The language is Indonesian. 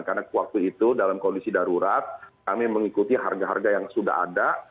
karena waktu itu dalam kondisi darurat kami mengikuti harga harga yang sudah ada